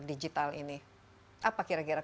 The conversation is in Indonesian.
digital ini apa kira kira